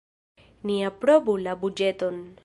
Ni aprobu la buĝeton.